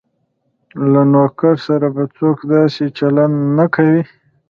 له نوکر سره به څوک داسې چلند نه کوي.